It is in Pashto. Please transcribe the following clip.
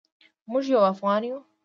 موږ یو افغان یو